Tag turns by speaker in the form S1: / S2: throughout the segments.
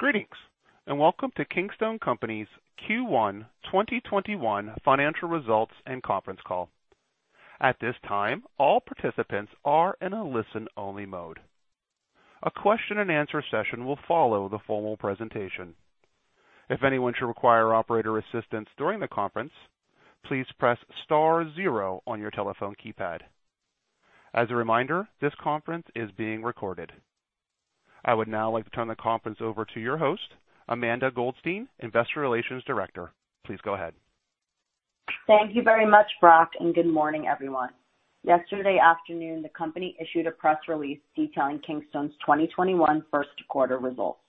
S1: Greetings and welcome to Kingstone Companies Q1 2021 financial results and conference call. At this time, all participants are in a listen-only mode. A question-and-answer session will follow the formal presentation. If anyone should require operator assistance during the conference, please press star zero on your telephone keypad. As a reminder, this conference is being recorded. I would now like to turn the conference over to your host, Amanda Goldstein, Investor Relations Director. Please go ahead.
S2: Thank you very much, Brock, and good morning, everyone. Yesterday afternoon, the company issued a press release detailing Kingstone's 2021 first quarter results.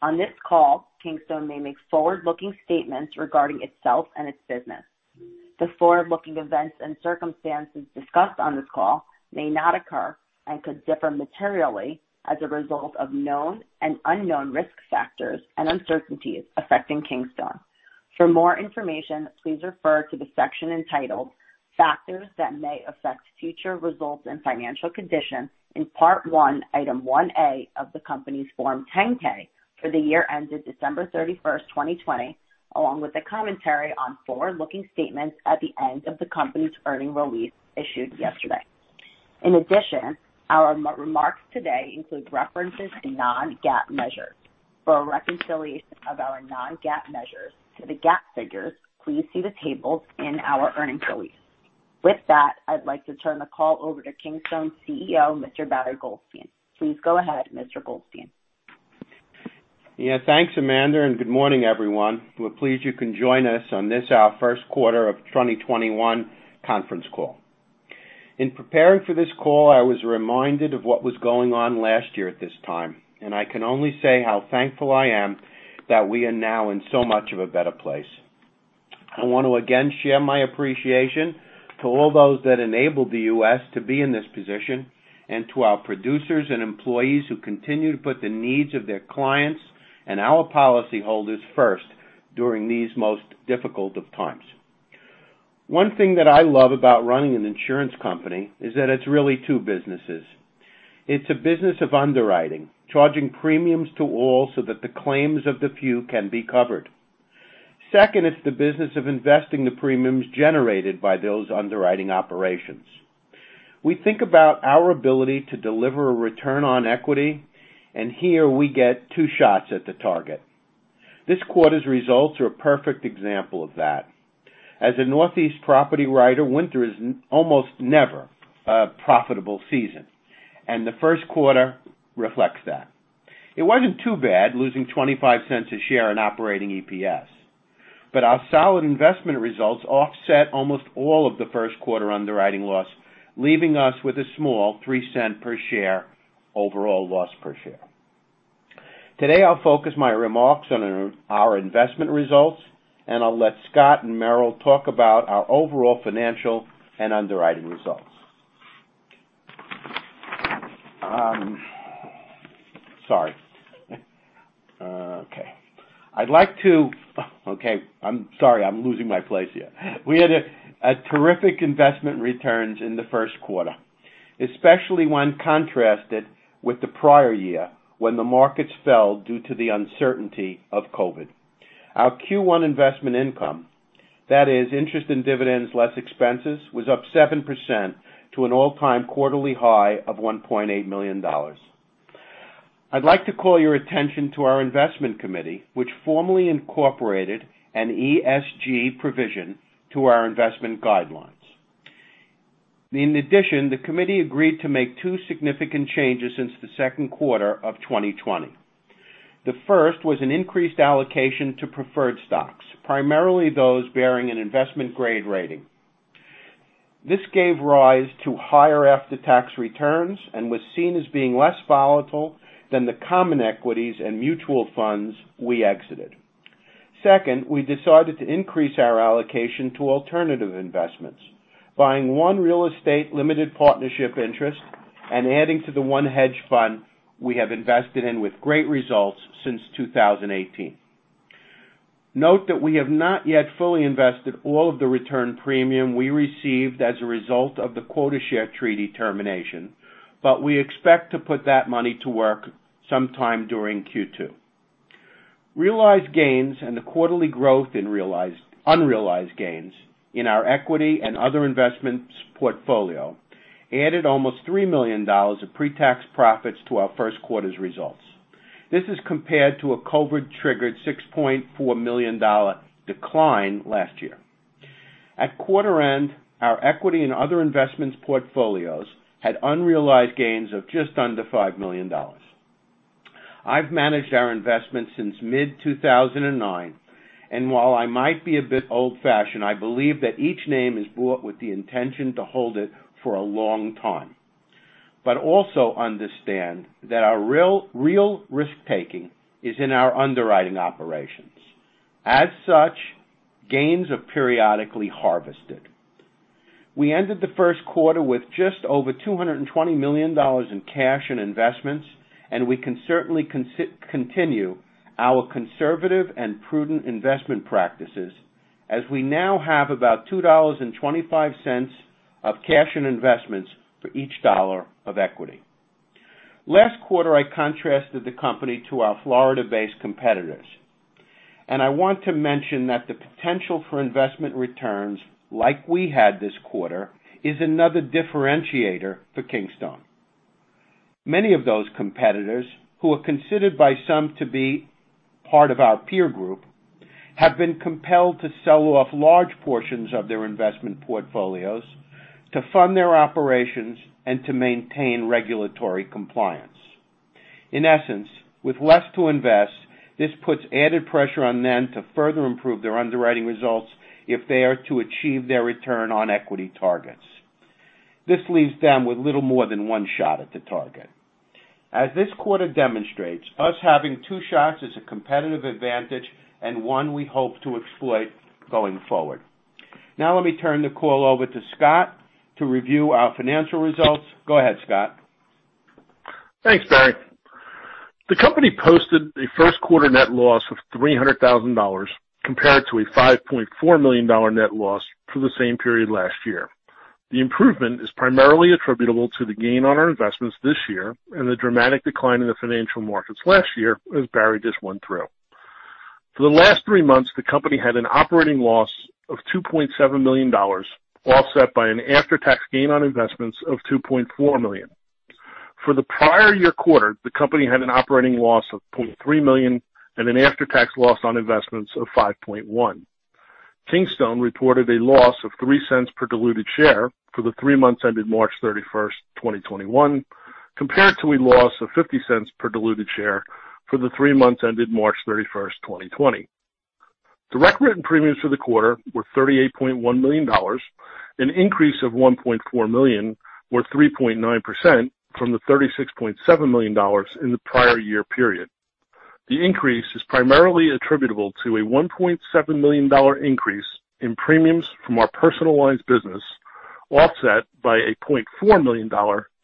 S2: On this call, Kingstone may make forward-looking statements regarding itself and its business. The forward-looking events and circumstances discussed on this call may not occur and could differ materially as a result of known and unknown risk factors and uncertainties affecting Kingstone. For more information, please refer to the section entitled, "Factors That May Affect Future Results and Financial Condition," in part one, item 1A of the company's Form 10-K for the year ended December 31st, 2020, along with the commentary on forward-looking statements at the end of the company's earnings release issued yesterday. In addition, our remarks today include references to non-GAAP measures. For a reconciliation of our non-GAAP measures to the GAAP figures, please see the tables in our earnings release. With that, I'd like to turn the call over to Kingstone CEO, Mr. Barry Goldstein. Please go ahead, Mr. Goldstein.
S3: Yeah, thanks, Amanda, and good morning, everyone. We're pleased you can join us on this our first quarter of 2021 conference call. In preparing for this call, I was reminded of what was going on last year at this time, and I can only say how thankful I am that we are now in so much of a better place. I want to again share my appreciation to all those that enabled the U.S. to be in this position and to our producers and employees who continue to put the needs of their clients and our policyholders first during these most difficult of times. One thing that I love about running an insurance company is that it's really two businesses. It's a business of underwriting, charging premiums to all so that the claims of the few can be covered. Second, it's the business of investing the premiums generated by those underwriting operations. We think about our ability to deliver a return on equity, and here we get two shots at the target. This quarter's results are a perfect example of that. As a Northeast property writer, winter is almost never a profitable season, and the first quarter reflects that. It wasn't too bad losing $0.25 a share in operating EPS, but our solid investment results offset almost all of the first quarter underwriting loss, leaving us with a small $0.03 per share overall loss per share. Today, I'll focus my remarks on our investment results, and I'll let Scott and Meryl talk about our overall financial and underwriting results. Sorry. Okay. I'd like to, okay, I'm sorry, I'm losing my place here. We had terrific investment returns in the first quarter, especially when contrasted with the prior year when the markets fell due to the uncertainty of COVID. Our Q1 investment income, that is, interest and dividends, less expenses, was up 7% to an all-time quarterly high of $1.8 million. I'd like to call your attention to our investment committee, which formally incorporated an ESG provision to our investment guidelines. In addition, the committee agreed to make two significant changes since the second quarter of 2020. The first was an increased allocation to preferred stocks, primarily those bearing an investment-grade rating. This gave rise to higher after-tax returns and was seen as being less volatile than the common equities and mutual funds we exited. Second, we decided to increase our allocation to alternative investments, buying one real estate limited partnership interest and adding to the one hedge fund we have invested in with great results since 2018. Note that we have not yet fully invested all of the return premium we received as a result of the quota share treaty termination, but we expect to put that money to work sometime during Q2. Realized gains and the quarterly growth in unrealized gains in our equity and other investments portfolio added almost $3 million of pre-tax profits to our first quarter's results. This is compared to a COVID-triggered $6.4 million decline last year. At quarter end, our equity and other investments portfolios had unrealized gains of just under $5 million. I've managed our investments since mid-2009, and while I might be a bit old-fashioned, I believe that each name is bought with the intention to hold it for a long time, but also understand that our real risk-taking is in our underwriting operations. As such, gains are periodically harvested. We ended the first quarter with just over $220 million in cash and investments, and we can certainly continue our conservative and prudent investment practices as we now have about $2.25 of cash and investments for each dollar of equity. Last quarter, I contrasted the company to our Florida-based competitors, and I want to mention that the potential for investment returns like we had this quarter is another differentiator for Kingstone. Many of those competitors, who are considered by some to be part of our peer group, have been compelled to sell off large portions of their investment portfolios to fund their operations and to maintain regulatory compliance. In essence, with less to invest, this puts added pressure on them to further improve their underwriting results if they are to achieve their return on equity targets. This leaves them with little more than one shot at the target. As this quarter demonstrates, us having two shots is a competitive advantage and one we hope to exploit going forward. Now, let me turn the call over to Scott to review our financial results. Go ahead, Scott.
S4: Thanks, Barry. The company posted a first quarter net loss of $300,000 compared to a $5.4 million net loss for the same period last year. The improvement is primarily attributable to the gain on our investments this year and the dramatic decline in the financial markets last year as Barry just went through. For the last three months, the company had an operating loss of $2.7 million offset by an after-tax gain on investments of $2.4 million. For the prior year quarter, the company had an operating loss of $0.3 million and an after-tax loss on investments of $5.1 million. Kingstone reported a loss of $0.03 per diluted share for the three months ended March 31st, 2021, compared to a loss of $0.50 per diluted share for the three months ended March 31st, 2020. Direct written premiums for the quarter were $38.1 million, an increase of $1.4 million, or 3.9% from the $36.7 million in the prior year period. The increase is primarily attributable to a $1.7 million increase in premiums from our personal lines business offset by a $0.4 million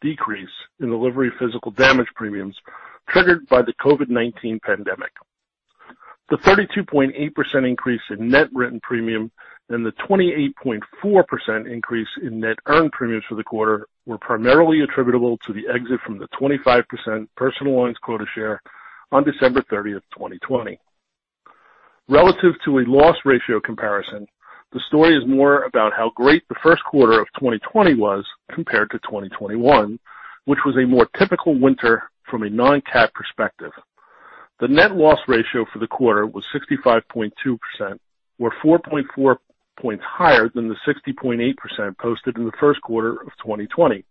S4: decrease in livery physical damage premiums triggered by the COVID-19 pandemic. The 32.8% increase in net written premium and the 28.4% increase in net earned premiums for the quarter were primarily attributable to the exit from the 25% personal lines quota share on December 30th, 2020. Relative to a loss ratio comparison, the story is more about how great the first quarter of 2020 was compared to 2021, which was a more typical winter from a non-GAAP perspective. The net loss ratio for the quarter was 65.2%, or 4.4 points higher than the 60.8% posted in the first quarter of 2020.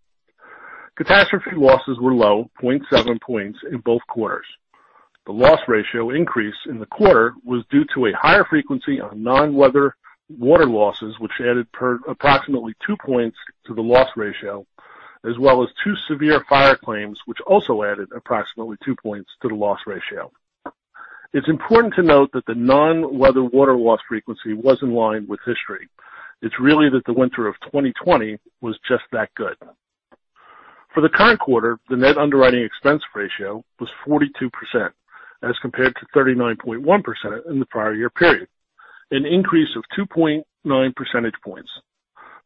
S4: Catastrophe losses were low, 0.7 points in both quarters. The loss ratio increase in the quarter was due to a higher frequency of non-weather water losses, which added approximately two points to the loss ratio, as well as two severe fire claims, which also added approximately two points to the loss ratio. It's important to note that the non-weather water loss frequency was in line with history. It's really that the winter of 2020 was just that good. For the current quarter, the net underwriting expense ratio was 42% as compared to 39.1% in the prior year period, an increase of 2.9 percentage points.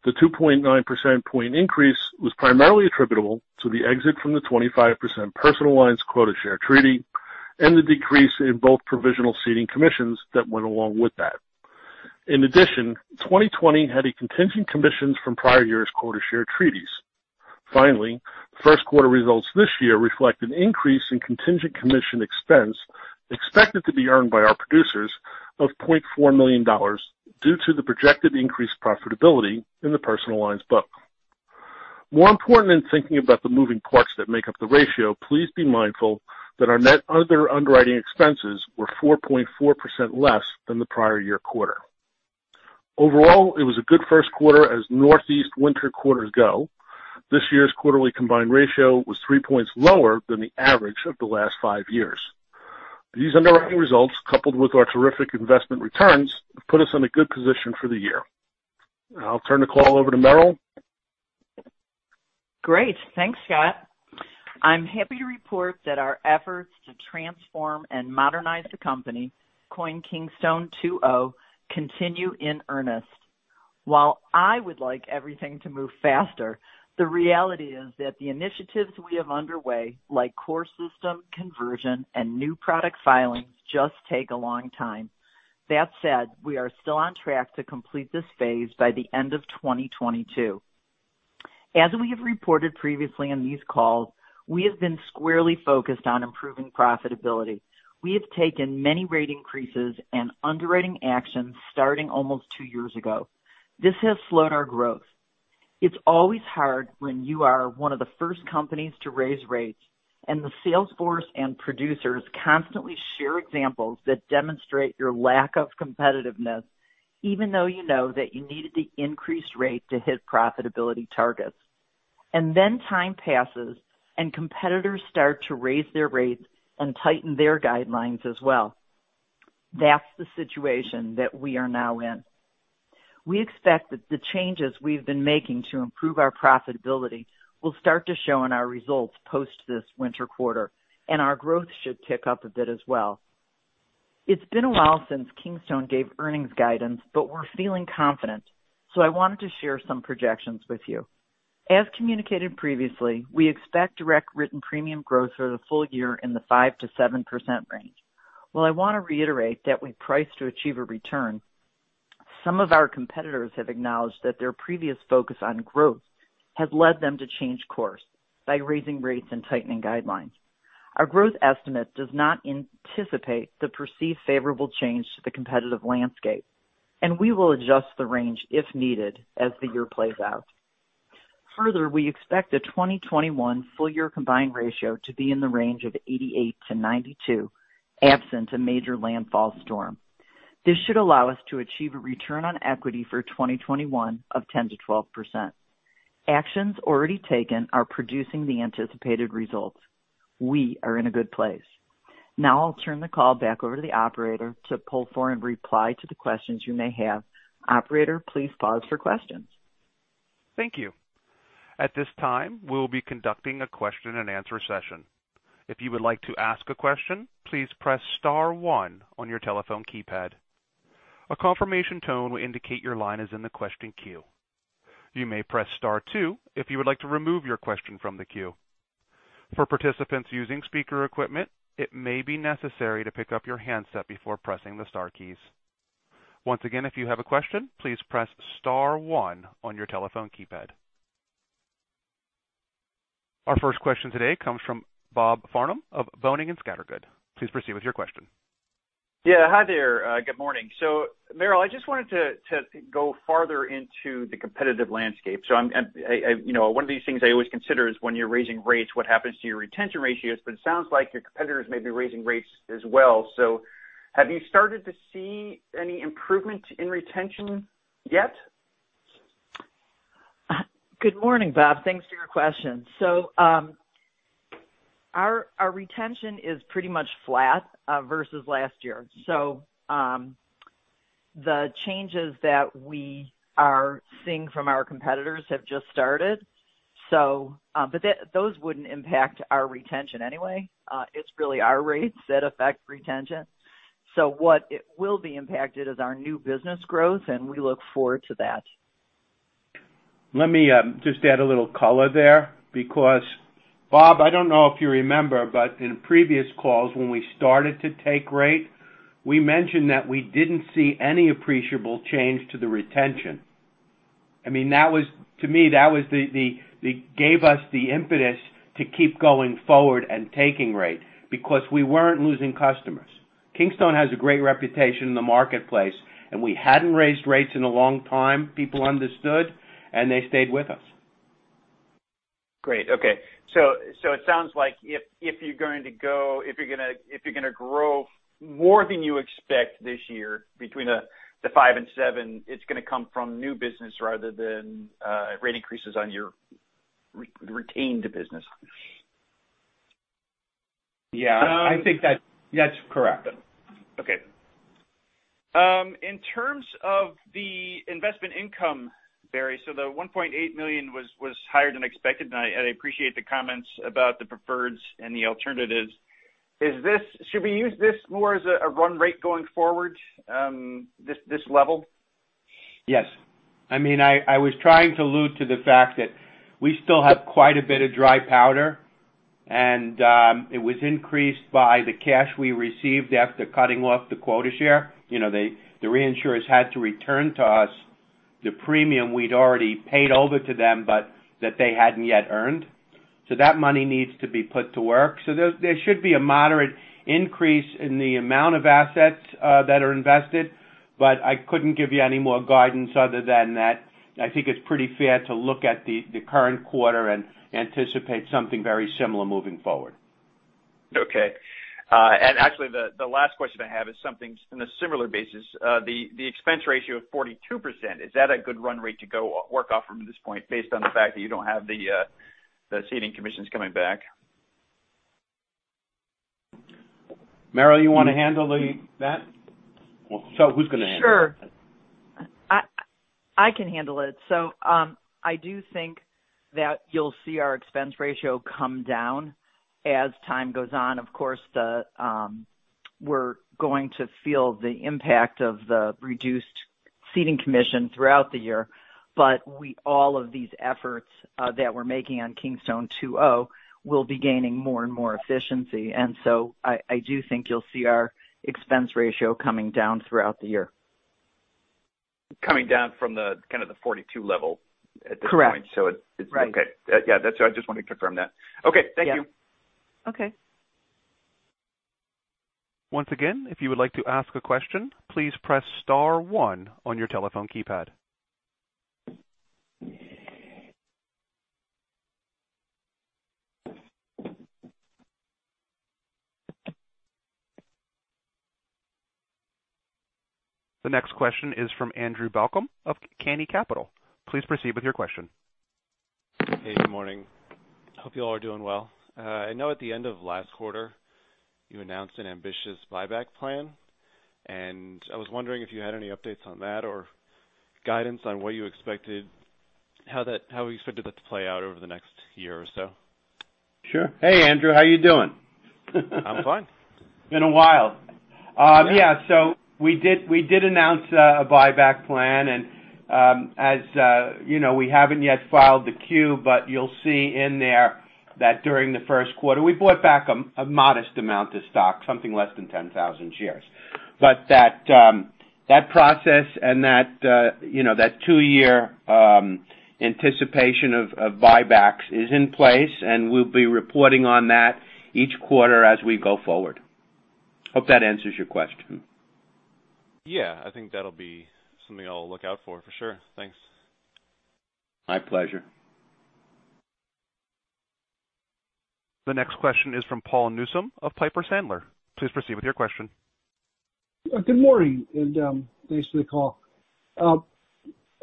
S4: The 2.9 percentage point increase was primarily attributable to the exit from the 25% Personal Lines quota share treaty and the decrease in both provisional ceding commissions that went along with that. In addition, 2020 had a contingent commission from prior year's quota share treaties. Finally, first quarter results this year reflect an increase in contingent commission expense expected to be earned by our producers of $0.4 million due to the projected increased profitability in the personal lines book. More important in thinking about the moving parts that make up the ratio, please be mindful that our net other underwriting expenses were 4.4% less than the prior year quarter. Overall, it was a good first quarter as Northeast winter quarters go. This year's quarterly combined ratio was 3 points lower than the average of the last five years. These underwriting results, coupled with our terrific investment returns, have put us in a good position for the year. I'll turn the call over to Meryl.
S5: Great. Thanks, Scott. I'm happy to report that our efforts to transform and modernize the company, Kingstone 2.0, continue in earnest. While I would like everything to move faster, the reality is that the initiatives we have underway, like core system conversion and new product filings, just take a long time. That said, we are still on track to complete this phase by the end of 2022. As we have reported previously in these calls, we have been squarely focused on improving profitability. We have taken many rate increases and underwriting actions starting almost two years ago. This has slowed our growth. It's always hard when you are one of the first companies to raise rates, and the salesforce and producers constantly share examples that demonstrate your lack of competitiveness, even though you know that you needed the increased rate to hit profitability targets. And then time passes, and competitors start to raise their rates and tighten their guidelines as well. That's the situation that we are now in. We expect that the changes we've been making to improve our profitability will start to show in our results post this winter quarter, and our growth should tick up a bit as well. It's been a while since Kingstone gave earnings guidance, but we're feeling confident, so I wanted to share some projections with you. As communicated previously, we expect direct written premium growth for the full year in the 5%-7% range. While I want to reiterate that we price to achieve a return, some of our competitors have acknowledged that their previous focus on growth has led them to change course by raising rates and tightening guidelines. Our growth estimate does not anticipate the perceived favorable change to the competitive landscape, and we will adjust the range if needed as the year plays out. Further, we expect the 2021 full year combined ratio to be in the range of 88-92, absent a major landfall storm. This should allow us to achieve a return on equity for 2021 of 10%-12%. Actions already taken are producing the anticipated results. We are in a good place. Now, I'll turn the call back over to the operator to poll for and reply to the questions you may have. Operator, please pause for questions.
S1: Thank you. At this time, we'll be conducting a question-and-answer session. If you would like to ask a question, please press star one on your telephone keypad. A confirmation tone will indicate your line is in the question queue. You may press star two if you would like to remove your question from the queue. For participants using speaker equipment, it may be necessary to pick up your handset before pressing the star keys. Once again, if you have a question, please press star one on your telephone keypad. Our first question today comes from Bob Farnham of Boenning & Scattergood. Please proceed with your question.
S6: Yeah. Hi there. Good morning. So, Meryl, I just wanted to go farther into the competitive landscape. So one of these things I always consider is when you're raising rates, what happens to your retention ratios, but it sounds like your competitors may be raising rates as well. So have you started to see any improvement in retention yet?
S5: Good morning, Bob. Thanks for your question. So our retention is pretty much flat versus last year. So the changes that we are seeing from our competitors have just started. But those wouldn't impact our retention anyway. It's really our rates that affect retention. So what will be impacted is our new business growth, and we look forward to that.
S3: Let me just add a little color there because, Bob, I don't know if you remember, but in previous calls when we started to take rate, we mentioned that we didn't see any appreciable change to the retention. I mean, to me, that gave us the impetus to keep going forward and taking rate because we weren't losing customers. Kingstone has a great reputation in the marketplace, and we hadn't raised rates in a long time. People understood, and they stayed with us.
S6: Great. Okay. So it sounds like if you're going to grow more than you expect this year between the five and seven, it's going to come from new business rather than rate increases on your retained business.
S3: Yeah. I think that's correct.
S6: Okay. In terms of the investment income, Barry, so the $1.8 million was higher than expected, and I appreciate the comments about the preferreds and the alternatives. Should we use this more as a run rate going forward, this level?
S3: Yes. I mean, I was trying to allude to the fact that we still have quite a bit of dry powder, and it was increased by the cash we received after cutting off the quota share. The reinsurers had to return to us the premium we'd already paid over to them, but that they hadn't yet earned. So that money needs to be put to work. So there should be a moderate increase in the amount of assets that are invested, but I couldn't give you any more guidance other than that I think it's pretty fair to look at the current quarter and anticipate something very similar moving forward.
S6: Okay. And actually, the last question I have is something on a similar basis. The expense ratio of 42%, is that a good run rate to work off from this point based on the fact that you don't have the ceding commissions coming back?
S3: Meryl, you want to handle that? So, who's going to handle it?
S5: Sure. I can handle it. So I do think that you'll see our expense ratio come down as time goes on. Of course, we're going to feel the impact of the reduced ceding commission throughout the year, but all of these efforts that we're making on Kingstone 2.0 will be gaining more and more efficiency. And so I do think you'll see our expense ratio coming down throughout the year.
S6: Coming down from the kind of 42 level at this point.
S5: Correct.
S6: So it's okay. Yeah. That's why I just wanted to confirm that. Okay. Thank you.
S5: Okay.
S1: Once again, if you would like to ask a question, please press star one on your telephone keypad. The next question is from Andrew Balkam of Canny Capital. Please proceed with your question.
S7: Hey. Good morning. Hope you all are doing well. I know at the end of last quarter, you announced an ambitious buyback plan, and I was wondering if you had any updates on that or guidance on how we expected that to play out over the next year or so?
S3: Sure. Hey, Andrew. How are you doing?
S7: I'm fine.
S3: It's been a while. Yeah. So we did announce a buyback plan, and as you know, we haven't yet filed the 10-Q, but you'll see in there that during the first quarter, we bought back a modest amount of stock, something less than 10,000 shares. But that process and that two-year authorization of buybacks is in place, and we'll be reporting on that each quarter as we go forward. Hope that answers your question.
S7: Yeah. I think that'll be something I'll look out for, for sure. Thanks.
S3: My pleasure.
S1: The next question is from Paul Newsome of Piper Sandler. Please proceed with your question.
S8: Good morning, and thanks for the call. I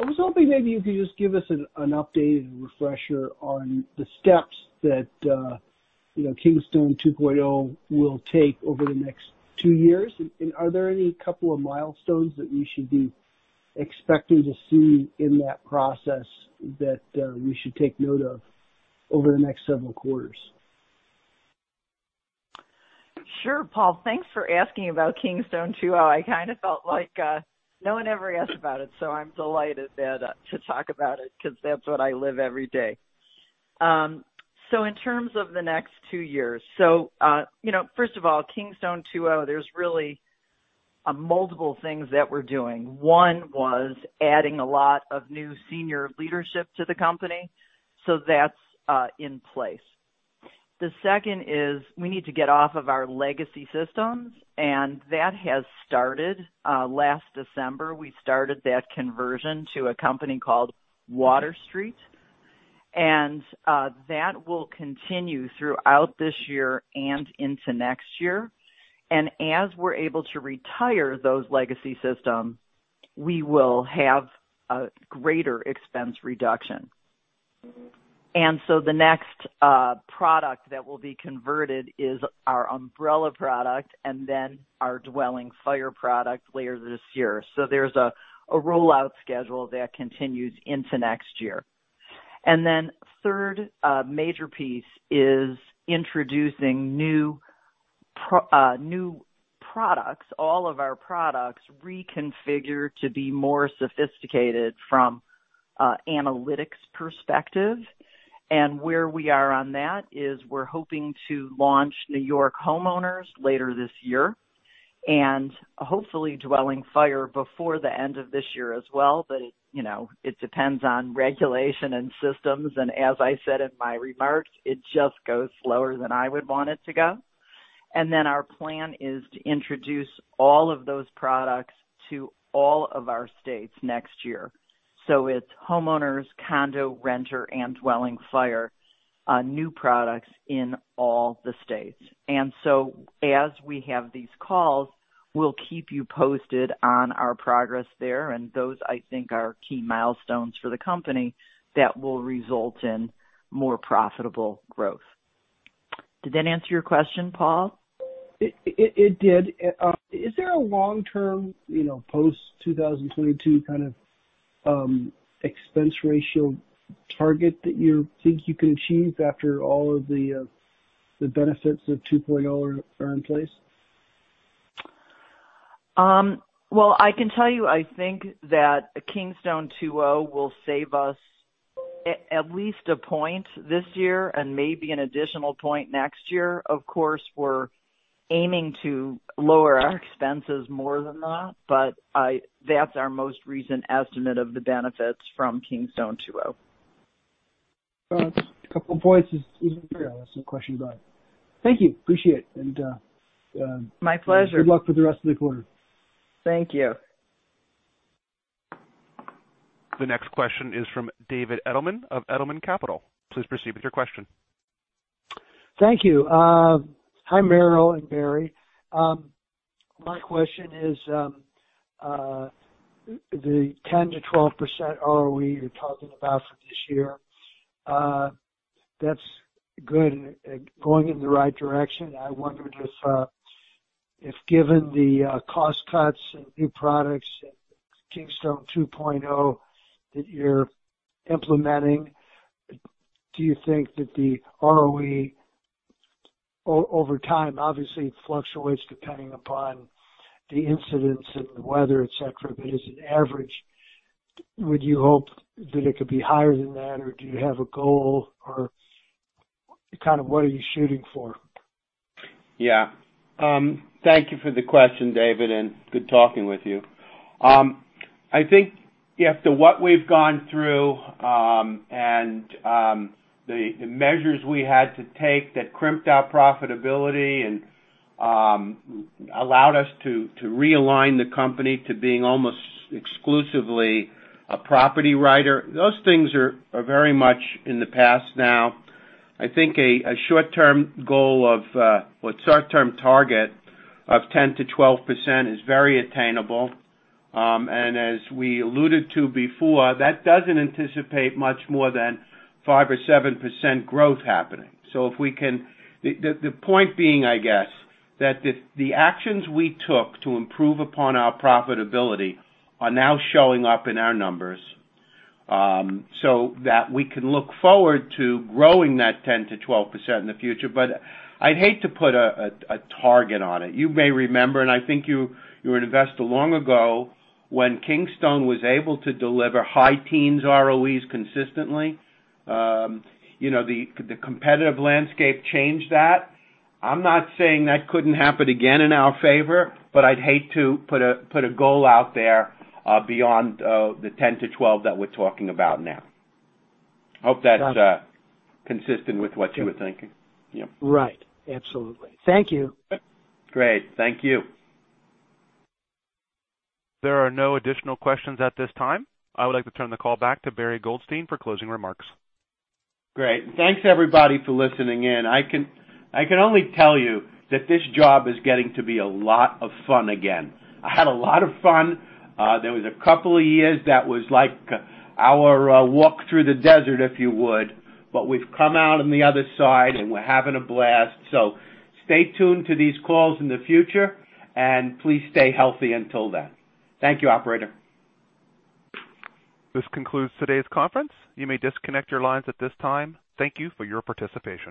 S8: was hoping maybe you could just give us an updated refresher on the steps that Kingstone 2.0 will take over the next two years. And are there any couple of milestones that we should be expecting to see in that process that we should take note of over the next several quarters?
S5: Sure, Paul. Thanks for asking about Kingstone 2.0. I kind of felt like no one ever asked about it, so I'm delighted to talk about it because that's what I live every day, so in terms of the next two years, so first of all, Kingstone 2.0, there's really multiple things that we're doing. One was adding a lot of new senior leadership to the company, so that's in place. The second is we need to get off of our legacy systems, and that has started last December. We started that conversion to a company called WaterStreet, and that will continue throughout this year and into next year, and as we're able to retire those legacy systems, we will have a greater expense reduction, and so the next product that will be converted is our umbrella product and then our dwelling fire product later this year. There's a rollout schedule that continues into next year. And then third major piece is introducing new products, all of our products reconfigured to be more sophisticated from an analytics perspective. And where we are on that is we're hoping to launch New York homeowners later this year and hopefully dwelling fire before the end of this year as well, but it depends on regulation and systems. And as I said in my remarks, it just goes slower than I would want it to go. And then our plan is to introduce all of those products to all of our states next year. So it's homeowners, condo, renter, and dwelling fire, new products in all the states. And so as we have these calls, we'll keep you posted on our progress there, and those I think are key milestones for the company that will result in more profitable growth. Did that answer your question, Paul?
S8: It did. Is there a long-term post-2022 kind of expense ratio target that you think you can achieve after all of the benefits of 2.0 are in place?
S5: I can tell you I think that Kingstone 2.0 will save us at least a point this year and maybe an additional point next year. Of course, we're aiming to lower our expenses more than that, but that's our most recent estimate of the benefits from Kingstone 2.0.
S8: A couple of points isn't really an important question, but thank you. Appreciate it.
S5: My pleasure.
S8: Good luck with the rest of the quarter.
S3: Thank you.
S1: The next question is from David Edelman of Edelman Capital. Please proceed with your question.
S9: Thank you. Hi, Meryl and Barry. My question is the 10%-12% ROE you're talking about for this year. That's good and going in the right direction. I wondered if given the cost cuts and new products and Kingstone 2.0 that you're implementing, do you think that the ROE over time obviously fluctuates depending upon the incidents and the weather, etc., but as an average, would you hope that it could be higher than that, or do you have a goal, or kind of what are you shooting for?
S3: Yeah. Thank you for the question, David, and good talking with you. I think after what we've gone through and the measures we had to take that crimped our profitability and allowed us to realign the company to being almost exclusively a property writer, those things are very much in the past now. I think a short-term goal or short-term target of 10%-12% is very attainable. And as we alluded to before, that doesn't anticipate much more than 5% or 7% growth happening. So the point being, I guess, that the actions we took to improve upon our profitability are now showing up in our numbers so that we can look forward to growing that 10%-12% in the future. But I'd hate to put a target on it. You may remember, and I think you were an investor long ago when Kingstone was able to deliver high teens ROEs consistently. The competitive landscape changed that. I'm not saying that couldn't happen again in our favor, but I'd hate to put a goal out there beyond the 10 to 12 that we're talking about now. Hope that's consistent with what you were thinking.
S9: Right. Absolutely. Thank you.
S3: Great. Thank you.
S1: There are no additional questions at this time. I would like to turn the call back to Barry Goldstein for closing remarks.
S3: Great. Thanks, everybody, for listening in. I can only tell you that this job is getting to be a lot of fun again. I had a lot of fun. There was a couple of years that was like our walk through the desert, if you would, but we've come out on the other side, and we're having a blast. So stay tuned to these calls in the future, and please stay healthy until then. Thank you, operator.
S1: This concludes today's conference. You may disconnect your lines at this time. Thank you for your participation.